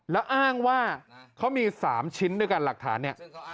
แล้วอ้างว่าเขามี๓ชิ้นด้วยกันหลักฐานเนี่ย